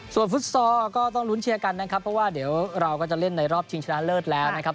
ส่วนฟุตซอลก็ต้องลุ้นเชียร์กันนะครับเพราะว่าเดี๋ยวเราก็จะเล่นในรอบชิงชนะเลิศแล้วนะครับ